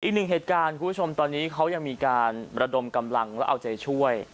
อีกหนึ่งเหตุการณ์คุณผู้ชมตอนนี้เขายังมีการระดมกำลังแล้วเอาใจช่วย